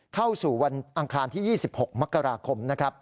เข้าสู่วันอังคารที่๒๖มกราคม